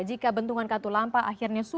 jika bentungan katulampa akhirnya